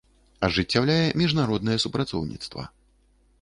Ажыццяўляе мiжнароднае супрацоўнiцтва.